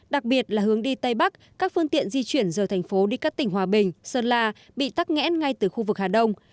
đặc biệt là hướng đi tây bắc các phương tiện di chuyển rời thành phố đi các tỉnh hòa bình sơn la bị tắt ngẽn ngay từ khu vực hà đông